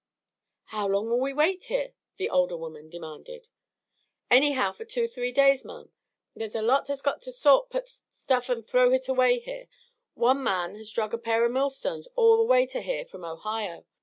"How long'll we wait here?" the older woman demanded. "Anyhow fer two three days, ma'am. Thar's a lot has got to sort out stuff an' throw hit away here. One man has drug a pair o' millstones all the way to here from Ohio.